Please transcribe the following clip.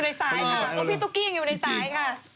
ว่าพี่ตุ๊กกี้ยังอยู่ในสายค่ะ